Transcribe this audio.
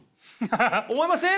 思いません？